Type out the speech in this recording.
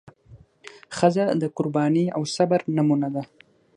ښځه د قربانۍ او صبر نمونه ده.